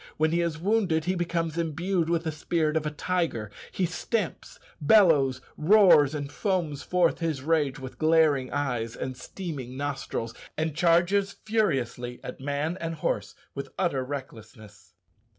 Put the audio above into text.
When he is wounded he becomes imbued with the spirit of a tiger: he stamps, bellows, roars, and foams forth his rage with glaring eyes and steaming nostrils, and charges furiously at man and horse with utter recklessness.